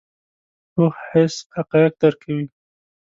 پوخ حس حقایق درک کوي